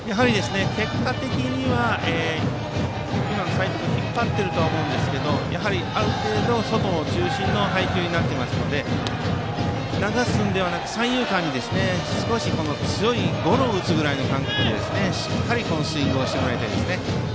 結果的には齋藤君は今、引っ張っていると思いますがある程度外中心の配球になっていますので流すのではなく三遊間に少し強いゴロを打つぐらいの感覚でしっかりスイングしてもらいたいです。